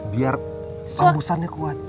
biar pembosannya kuat